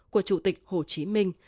của chủ tịch hồ chí minh